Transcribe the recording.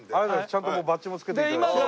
ちゃんとバッジも付けて頂いて。